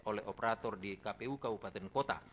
oleh operator di kpu kabupaten kota